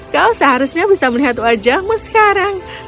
kau seharusnya bisa melihat wajahmu sekarang